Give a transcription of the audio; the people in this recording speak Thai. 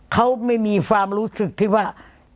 เขาไม่มีความรู้สึกที่ว่า